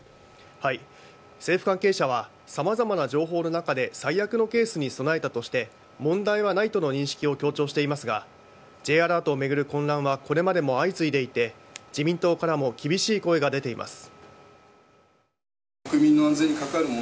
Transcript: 政府関係者は様々な情報の中で最悪のケースに備えたとして問題はないとの認識を強調していますがＪアラートを巡る混乱はこれまでも相次いでいて自民党からも厳しい声が出ています。